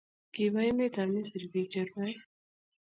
Kiba emet ab misir pik che rwae